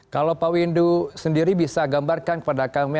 kalau pak windu sendiri bisa gambarkan kepada kami